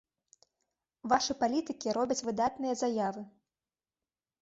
Вашы палітыкі робяць выдатныя заявы.